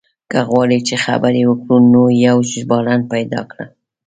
که غواړې چې خبرې وکړو نو يو ژباړن پيدا کړه.